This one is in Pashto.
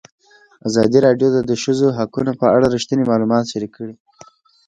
ازادي راډیو د د ښځو حقونه په اړه رښتیني معلومات شریک کړي.